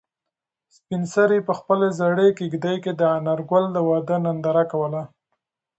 سپین سرې په خپلې زړې کيږدۍ کې د انارګل د واده ننداره کوله.